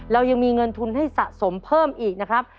เรายังมีเงินทุนให้สะสมเพิ่มอีกนะครับ